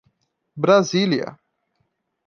Brasília